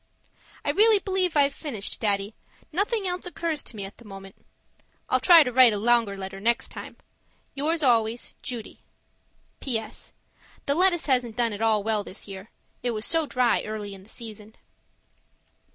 I really believe I've finished, Daddy. Nothing else occurs to me at the moment I'll try to write a longer letter next time. Yours always, Judy PS. The lettuce hasn't done at all well this year. It was so dry early in the season.